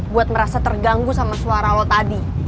buat merasa terganggu sama suara lo tadi